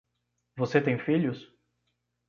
Você tem filhos?